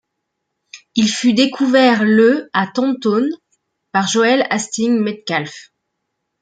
Il fut découvert le à Taunton par Joel Hastings Metcalf.